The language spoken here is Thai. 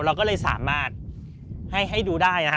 เราก็เลยสามารถให้ดูได้นะคะ